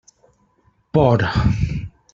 Por.